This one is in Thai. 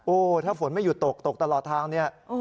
โอ้ถ้าฝนไม่หยุดตกตกตลอดทางนี้